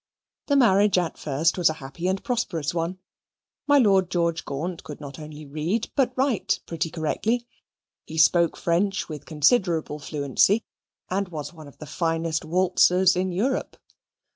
The marriage at first was a happy and prosperous one. My Lord George Gaunt could not only read, but write pretty correctly. He spoke French with considerable fluency; and was one of the finest waltzers in Europe.